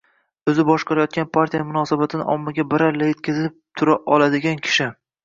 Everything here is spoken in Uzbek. o‘zi boshqarayotgan partiya munosabatini ommaga baralla yetkazib tura oladigan kishi